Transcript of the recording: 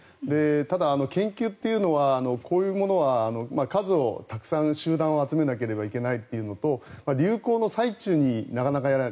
ただ、研究というのはこういうものは数を、たくさん集団を集めなければいけないというのと流行の最中になかなかやらない。